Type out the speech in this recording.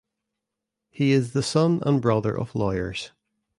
He is the son and brother of lawyers.